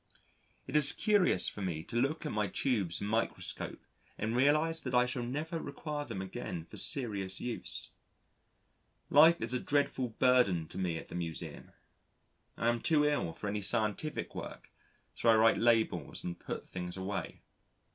It is curious for me to look at my tubes and microscope and realise that I shall never require them again for serious use. Life is a dreadful burden to me at the Museum. I am too ill for any scientific work so I write labels and put things away.